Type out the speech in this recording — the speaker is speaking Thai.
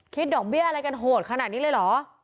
ดอกเบี้ยอะไรกันโหดขนาดนี้เลยเหรอ